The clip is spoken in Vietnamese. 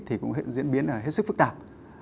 thì cũng diễn biến hết sức phức tạp